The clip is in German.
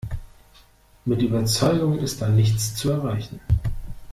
Mit Überzeugung ist da nichts zu erreichen.